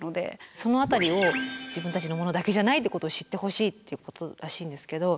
その辺りを自分たちのものだけじゃないっていうことを知ってほしいっていうことらしいんですけど。